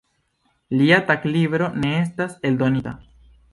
Lia taglibro ne estas eldonita.